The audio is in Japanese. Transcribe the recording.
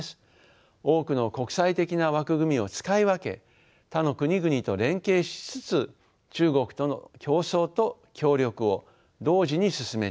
多くの国際的な枠組みを使い分け他の国々と連携しつつ中国との競争と協力を同時に進めていく。